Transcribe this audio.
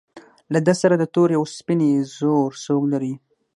له ده سره د تورې او سپینې زور څوک لري.